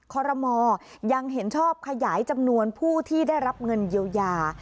คอรมอยังเห็นชอบขยายจำนวนผู้ที่ได้รับเงินเยียวยา